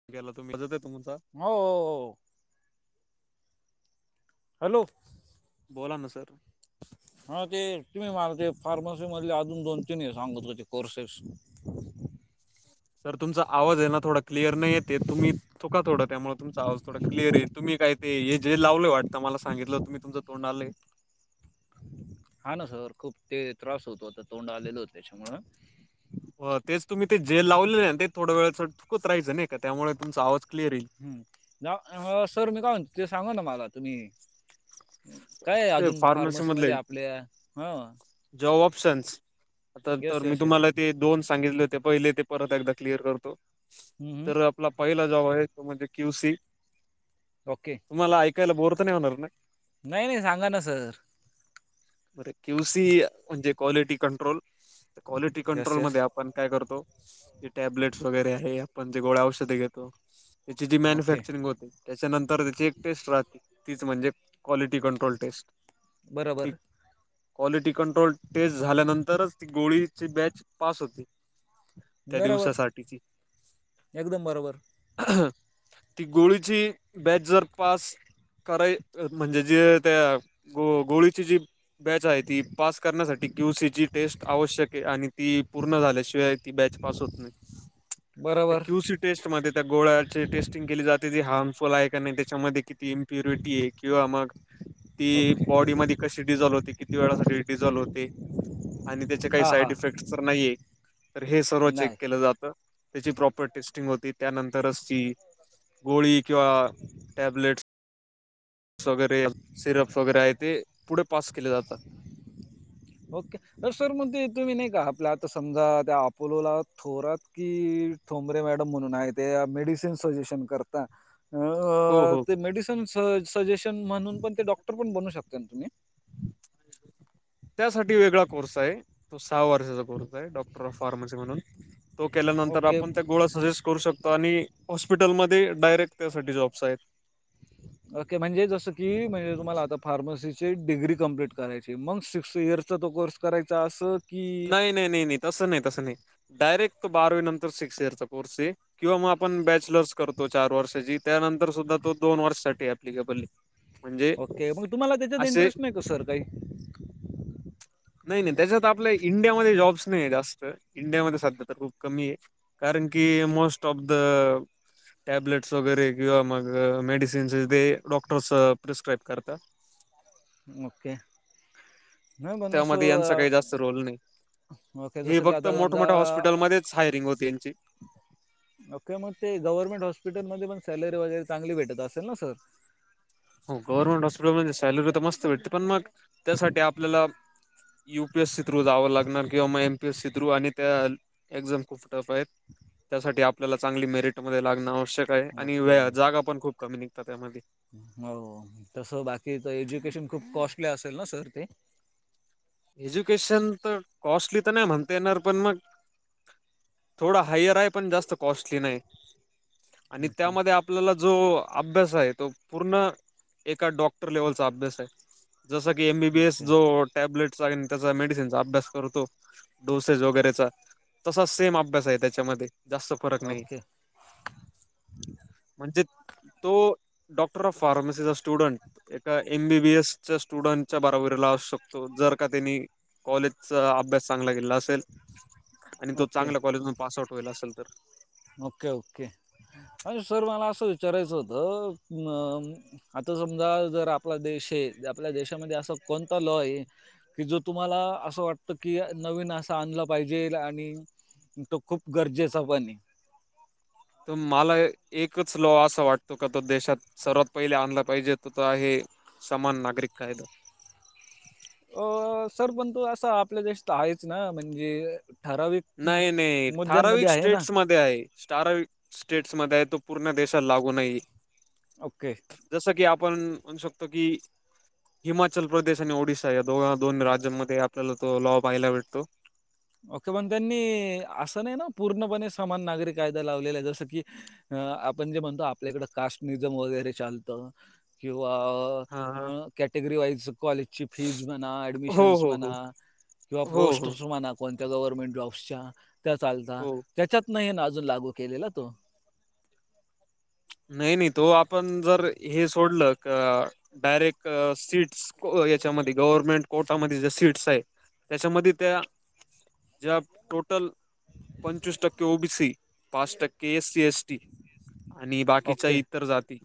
[unintelligible] हाव हो हॅलो! बोला ना सर. हा ते तुम्ही मला ते फार्मसी मधले अजून दोन तिन हे सांगत होते कोर्सेस सर तुमचा आवाज आहे ना थोडा क्लिअर नाही येते तुम्ही थुका थोडं त्यामुळे तुमचा आवाज थोडा क्लिअर येईल. तुम्ही काय ते ही जे लावलय वाटंत मला सांगितलं तुम्ही तुमच्या तोंडाले हा ना सर खूप ते त्रास होतो आता तोंड आलेल होत त्याच्यामुळं हो तेच तुम्ही ते जेल लावलेलं ना ते थोडं वेळच थुकत राहायच नाही का त्यामुळे तुमचा आवाज क्लिअर येईल. जा अह सर मी काय म्हणतो ते सांगा ना मला तुम्ही काय आहे ते अजून फार्मसी मधले फार्मसीमध्ये आपल्या हम्म. जॉब ऑप्शन्स अह तर येस मी येस येस तुम्हाला ते दोन सांगितले होते पहिले ते परत एकदा क्लिअर करतो हम्म. तर आपला पहिला जॉब आहे तो म्हणजे क्यू सी ओके. तुम्हाला ऐकायला बोर तर नाही होणार ना नाही नाही सांगा ना सर क्यू सी म्हणजे quality control. Quality yes yes कंट्रोलमध्ये आपण काय करतो? जे टॅब्लेट्स वगैरे आहे आपण जे गोळ्या औषधे घेतो त्याची जी ओके मॅन्युफॅक्चरिंग होते त्याच्यानंतर त्याची एक टेस्ट राहते. तीच म्हणजे क्वालिटी कंट्रोल टेस्ट. ती बरोबर क्वालिटी कंट्रोल टेस्ट झाल्यानंतरच ती गोळीची बॅच पास होते. त्या बरोबर दिवसासाठीची एकदम बरोबर ती गोळीची बॅच जर पास कराय म्हणजे जे त्या गो गोळीची जी बॅच आहे ती पास करण्यासाठी क्यू सी ची टेस्ट आवश्यक आहे आणि ती पूर्ण झाल्याशिवाय ती बॅच पास होत नाही. त्या बरोबर क्यू सी टेस्टमध्ये त्या गोळ्याची टेस्टिंग केली जाते ती हार्मफुल आहे का नाही, त्याच्यामध्ये किती इम्प्युरिटी आहे किंवा मग ती ओके बॉडी मध्ये कशी डिझॉल्व होते, किती वेळासाठी डिझॉल्व होते आणि त्याचे काही हां साईड हां इफेक्ट तर नाहीये, तर हे सर्व चेक नाही केलं जातं. त्याची प्रॉपर टेस्टिंग होती त्यानंतरच ती गोळी किंवा टॅब्लेट्स वगैरे सिरप्स वगैरे आहे ते पुढे पास केले जातात ओके. अह सर मग ते तुम्ही नाही का आपल्या आता समजा त्या अपोलोला थोरात की थोंबरे मॅडम म्हणून आहे ते मेडिसिन सजेशन करता हो अह हो ते मेडिसिन स सजेशन म्हणून पण ते डॉक्टर पण बनू शकता ना तुम्ही? त्यासाठी वेगळा कोर्स आहे. तो सहा वर्षाचा कोर्स आहे डॉक्टर ऑफ फार्मसी म्हणून तो केल्यानंतर ओके आपण त्या गोळा सजेस् करू शकतो आणि हॉस्पिटलमध्ये डायरेक्ट त्यासाठी जॉब्स आहेत. ओके म्हणजे जसं की म्हणजे तुम्हाला आता फार्मसीची डिग्री कंप्लीट करायची मग सिक्स इयर्सचा तो कोर्स करायचं अस नाही नाही नाही नाही तसं नाही तसं नाही, डायरेक्ट तो बारावी नंतर सिक्स इयरचा कोर्स आहे. किंवा मग आपण बॅचलर्स करतो चार वर्षाची त्यानंतर सुद्धा तो दोन वर्षासाठी अप्लिकेबल ओके मग तुम्हाला त्याच्यात इंटरेस्ट नाही का सर काही नाही नाही त्याच्यात आपल्या इंडियामध्ये जॉब्स नाही आहे जास्त इंडियामध्ये सध्या तर खूप कमी आहे. कारण की मोस्ट ऑफ द. टॅब्लेट्स वगैरे किंवा मग मेडिसिन्स ते डॉक्टर्स प्रिस्क्राईब करतात. मग काय? त्यामध्ये यांचा काही जास्त रोल नाही ओके हे जसं की फक्त आता मोठमोठ्या समजा हॉस्पिटल मध्ये हायरिंग होते त्यांची ओके मग ते गव्हर्नमेंट हॉस्पिटल मध्ये पण सॅलरी वगैरे चांगली भेटत असेल ना सर हो गव्हर्नमेंट हॉस्पिटल म्हणे सॅलरी तर मस्त भेटते. पण मग त्यासाठी आपल्याला U P S C through जावं लागणार किंवा मग M P S C through आणि त्या एक्झाम खूप टफ आहेत त्यासाठी आपल्याला चांगली मेरिटमध्ये लागणं आवश्यक आणि ओके. जागा पण खूप कमी निघतात त्यामध्ये हो तसं बाकीच एज्युकेशन खूप कॉस्टली असेल ना सर ते एज्युकेशन तर कॉस्टली तर नाही म्हणता येणार पण मग थोडा हायर आहे पण जास्त कॉस्टली नाही आणि ओके. त्यामध्ये आप आपल्याला जो अभ्यास आहे तो पूर्ण एका डॉक्टर लेवलचा अभ्यास आहे. जस की एमबीबीएस ओके. जो टॅब्लेट त्याचा मेडिसिनचा अभ्यास करतो. डोसेस वगैरेचा तसा सेम अभ्यास आहे त्याच्यामध्ये जास्त फरक नाही. ओके. म्हणजे तो डॉक्टर ऑफ फार्मसीचा स्टुडंट एका एमबीबी एसच्या स्टुडंटच्या बराबरीला असू शकतो जर त्यांनी कॉलेज अभ्यास चांगला केला असेल आणि तो ओके. चांगल्या कॉलेज मधून पास आउट व्हायला असेल तर ओके ओके आणि सर मला असं विचारायचं होतं. आता समजा जर आपला देश आहे आपल्या देशामध्ये असा कोणता लॉ आहे. की जो तुम्हाला असं वाटत की नवीन असं आणलं पाहिजे आणि तो खूप गरजेचा पण आहे. तर मला एकच लॉ असा वाटतो का तो देशात सर्वात पहिले आणला पाहिजे तो तर आहे समान नागरिक कायदा अ सर पण तु असं आपल्या देशात आहेच ना म्हणजे ठराविक म- नाही नाही! मुद्द्यांमध्ये ठराविक आहे ना स्टेट्स मध्ये आहे. ठराविक स्टेट्स मध्ये आहे. तो पूर्ण देशाला लागू नाही. ओके! जसं की आपण म्हणू शकतो की हिमाचल प्रदेश आणि ओडिसा या दोन् राज्यांमध्ये आपल्याला तो लॉव पाहायला भेटतो. ओके पण त्यांनी असं नाही ना पूर्णपणे समान नागरी कायदा लावलेला आहे जसं की आपण जे म्हणतो आपल्याकड कास्टनिजम वगैरे चालतं किंवा हा हा. कॅटेगरी वाईज कॉलेज ची फीज म्हणा हो ऍडमिशन् हो म्हणा हो किंवा हो पोस्ट हो म्हणा. कोणत्या गव्हर्मेंट जॉब्सच्या त्या चालतात हो त्याच्यातन हे अजून लागू केलेला तो नाही नाही तो आपण जर हे सोडलं का? डायरेक्ट सीट्स याच्यामध्ये गव्हर्नमेंट कोर्टामध्ये जे सीट्स आहे. त्याच्यामध्ये त्या जब टोटल पंचवीस टक्के ओबी सी पाच टक्के एस सी एस टी आणि बाकीच्या ओके इतर जाती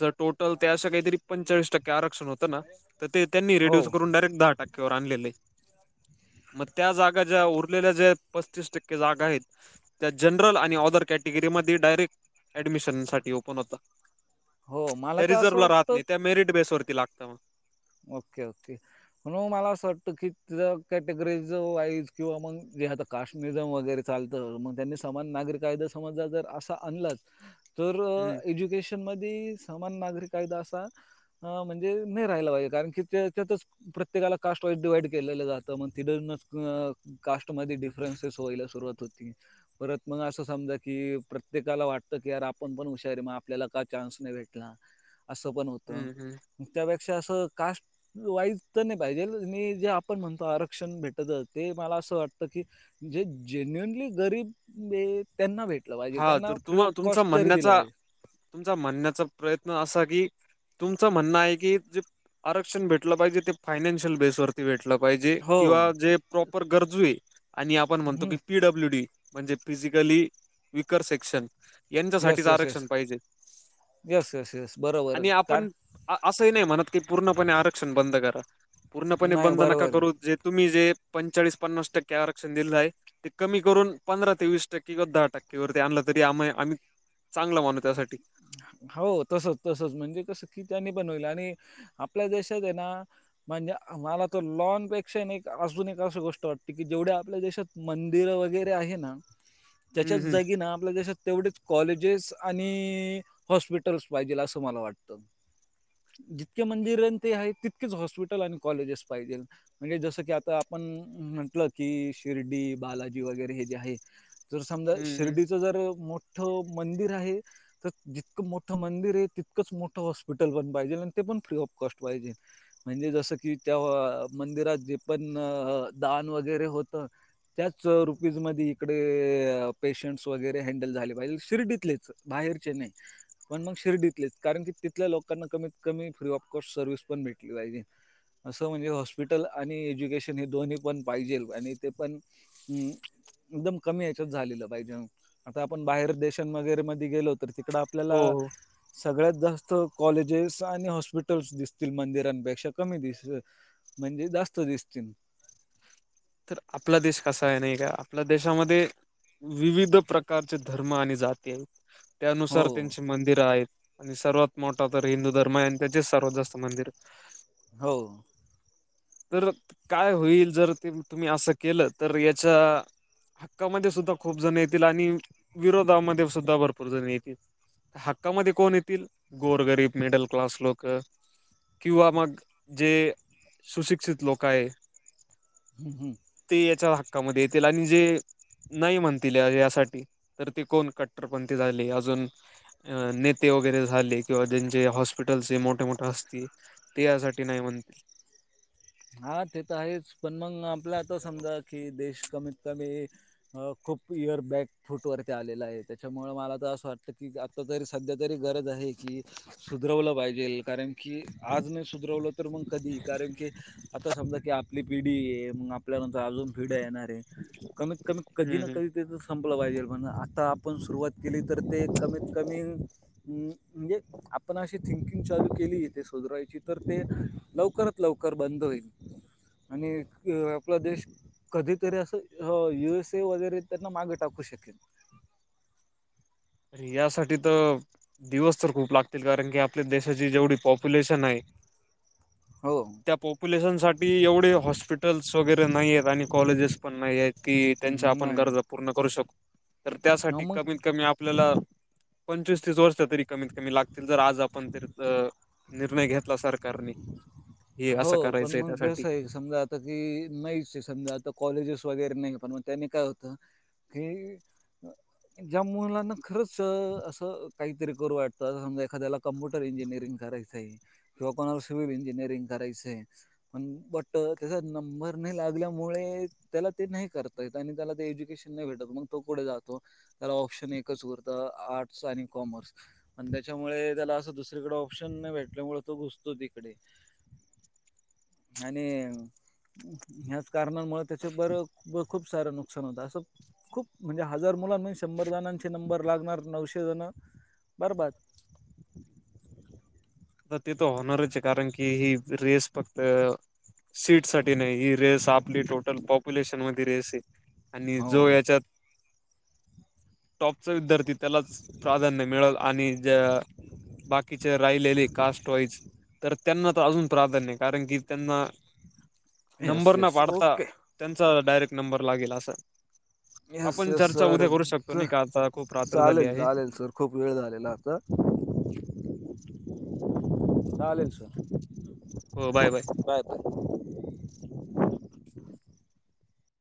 जर टोटल त्याशी काहीतरी पंचाळीस टक्के आरक्षण होतं ना तर ते त्यांनी हो रिड्यूस करून डायरेक्ट दहा टक्क्यावर आणलेलं आहे. मग त्या जागा ज्या उरलेल्या ज्या पस्तीस टक्के जागा आहेत. त्या जनरल आणि ऑदर कॅटेगरीमध्ये डायरेक्ट मिशनसाठी ओपन होता, हो मला त्या तर असं रिझर्व्ह राहत वाटतं नाही, त्या मेरिट बेसवरती लागतात मग. Okay, okay. म्हणून मला असं वाटतं की तिथं कॅटेगरी वाईज किंवा मग जे आता काश्मीरला जसं वगैरे चालतं, मग त्यांनी समान नागरी कायदा समजा जर असा आणलाच तर हम्म एज्युकेशनमध्ये समान नागरी कायदा असा म्हणजे नाही राहिला पाहिजे. कारण की त्यातच प्रत्येकाला कास्ट वाईज डिव्हाइड केलं जातं मग [inaudible] कास्टमध्ये डिफरन्सेस व्हायला सुरुवात होती. परत मग असं समजा की प्रत्येकाला वाटतं की यार, आपण पण हुशार आहे, मग आपल्याला का चान्स नाही भेटला? असं पण होतं, हम्म हम्म त्यापेक्षा असं कास्ट वाईज तर नाही पाहिजे, मी जे आपण म्हणतो आरक्षण भेटतं, ते मला असं वाटतं की जे जेन्युनली गरीब त्यांना भेटलं पाहिजे, हा त्यांना तर फ्री तुम्हा ऑफ तुमचा कॉस्ट तरी दिलं म्हणण्याचा पाहिजे. तुमचा म्हणण्याचा प्रयत्न असा की, तुमचं म्हणणं आहे की जे आरक्षण भेटलं पाहिजे ते फायनान्शियल बेसवर भेटलं पाहिजे, हो किंवा जे प्रॉपर गरजू आहेत आणि आपण म्हणतो की पीडब् पीडब्ल्यूडी म्हणजे फिजिकली... विकर सेक्शुअल यांच्यासाठीच येस येस येस आरक्षण पाहिजे येस येस येस बरोबर आणि कार आपण असंही नाही म्हणत की पूर्णपणे आरक्षण बंद करा, पूर्णपणे नाही बंद नका बरोबर आहे. करू, जे तुम्ही जे... पंचेचाळीस-पन्नास टक्के आरक्षण दिलं आहे, ते कमी करून पंधरा ते वीस टक्के किंवा दहा टक्के त्यावर ते आणलं तरी आम्ही चांगलं म्हणू त्यासाठी हो, तसंच, तसंच म्हणजे कसं की त्यांनी बनवलं आणि आपल्या देशात आहे ना म्हणजे मला तर अजून एक अशी गोष्ट वाटते की जेवढ्या आपल्या देशात... मंदिरं वगैरे आहेत ना हम्म त्याच्याच हम्म जागी आहे ना आपल्या देशात तेवढेच कॉलेजेस आणि... हॉस्पिटल्स पाहिजेत असं मला वाटतं.. जितकी मंदिरं आहेत तितकीच हॉस्पिटल्स आणि कॉलेजेस पाहिजेत. म्हणजे जसं की आता आपण म्हणतो की शिर्डी, बालाजी वगैरे जे आहे. जर समजा हम्म हम्म शिर्डीचं जर मोठं मंदिर आहे. तर जितकं मोठं मंदिर आहे तितकंच मोठं हॉस्पिटल पण पाहिजे आणि ते पण फ्री ऑफ कॉस्ट पाहिजे.. म्हणजे जसं की त्या मंदिरात जे पण दान वगैरे होतं. त्याच रुपयांमध्ये इकडे पेशंट्स वगैरे हँडल झाले पाहिजेत, शिर्डीतलेच बाहेरचे नाही. पण मग शिर्डीतलेच, कारण तिथल्या लोकांना कमीत कमी फ्री ऑफ कॉस्ट सर्व्हिस तरी भेटली पाहिजे. असं म्हणजे हॉस्पिटल आणि एज्युकेशन हे दोन्ही पण पाहिजे. हं एकदम कमी याच्यात झालं पाहिजे. आता आपण बाहेरच्या देशांमध्ये गेलो तर तिकडे आपल्याला हो हो सगळ्यात जास्त कॉलेजेस आणि हॉस्पिटल्स दिसतील, मंदिरांपेक्षा कमी दिस म्हणजे जास्त दिसतील. तर आपला देश कसा आहे नाही का? आपल्या देशामध्ये विविध प्रकारचे धर्म आणि जाती आहेत, हो त्यानुसार त्यांची मंदिरं आहेत. आणि सर्वात मोठा तर हिंदू धर्म आहे आणि त्याचेच सर्वात जास्त मंदिरं आहेत. हो. तर काय होईल जर ते तुम्ही असं केलं तर याचा हक्कामध्ये सुद्धा खूप जण येतील आणि विरोधामध्ये सुद्धा भरपूर जण येतील. हक्कामध्ये कोण येतील गोरगरीब मिडल क्लास लोक. किंवा मग जे सुशिक्षित लोक आहे. हम् हम्. ते याच्या हक्कामध्ये येतील आणि जे नाही म्हणतील या यासाठी तर ते कोण कट्टरपणथी झाली अजून अ नेते वगैरे झाले किंवा ज्यांचे हॉस्पिटलस मोठ मोठ असती ते यासाठी नाही म्हणतील. हा ते तर आहेच पण मग आपला आता समजा की देश कमीत कमी अ खूप इयरबॅक फूट वरती आलेला आहे त्याच्यामुळ मला तर असं वाटतं कि आता तरी सध्या तरी गरज आहे की सुधरवलं पाहिजेल कारण की आज नाही सुधरवलं तर मग कधी कारण की आता समजा की आपली पिढी [unintelligible] मग आपल्यानंतर अजून पिढ्या येणारे कमीत कमी कधी हम्म ना कधी तित संपलं पाहिजेल म्हण आता आपण सुरुवात केली तर ते कमीत कमी हम्म, म्हणजे? आपण अशी थिंकिंग चालू केली तेे सुधरायची तर ते लवकरात लवकर बंद होईल. आणि [unintelligible] आपला देश कधीतरी असं [unintelligible] यु एस ए वगैरे त्यांना मागे टाकू शकेल. यासाठी त दिवस तर खूप लागतील कारण की आपल्या देशाची जेवढी पॉप्युलेशन आहे. हो. त्या पॉप्युलेशनसाठी एवढे हॉस्पिटल्स वगैरे नाही आहेत आणि कॉलेजेस पण [unintelligible] त्यांच्या आपण नाही. गरजा पूर्ण करू शक, तर हां, त्यासाठी मग कमीत कमी आप आपल्याला पंचवीस तीस वर्ष तरी कमीत कमी लागतील जर आज आपण तर अ निर्णय घेतला सरकारनी. हो पण मग कसं आहे. समजा आता की [unintelligible] समजा आता कॉलेजेस वगैरे नाही पण मग त्यानी काय होतं. की. ज्या मुलांना खरंच असं काहीतरी करू वाटतं समजा एखाद्याला कम्प्युटर इंजिनिअरिंग करायचाय किंवा कोणाला सिव्हिल इंजिनिअरिंग करायचाय पण बट त्या [unintelligible] नंबर नाही लागल्यामुळे त्याला ते नाही कर [unintelligible] त्याला ते एज्युकेशन नाही भेटत मग तो कुठे जातो. त्याला ऑप्शन एकच उरतं आर्ट्स आणि कॉमर्स. आणि त्याच्यामुळे त्याला असं दुसरीकड ऑप्शन नाही भेटल्यामुळ तो घुसतो तिकडे. ह्याने, ह्याच कारणमुळे त्याच बर खूप सारं नुकसान होत असं खूप म्हणजे हजार मुलां [unintelligible] शंभर जणांचे नंबर लागणार नऊशे जण बरबाद. तर [unintelligible] होणारंच कारण की ही रेस फक्त सीट साठी नाही ही रेस आपली टोटल पॉप्युलेशन मध्ये रेस आहे. आणि जो हो याच्यात टॉपचा विद्यार्थी त्यालाच प्राधान्य मिळेल आणि ज बाकीचे राहिलेले कास्ट वाईज. तर त्यांना तर अजून प्राधान्य कारण की त्यांना येस नंबर न येस पाडता ओके त्यांचा डायरेक्ट नंबर लागेल असं. येस आपण येस चर्चा सर उद्या करू शकतो च- नाही का, आता खूप रात्र झाली चालेल आहे. चालेल सर खूप वेळ झालेला आता. चालेल सर, हो बाय बाय. बाय